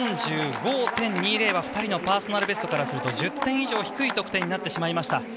１４５．２０は、２人のパーソナルベストからすると１０点以上低い得点になってしまいました。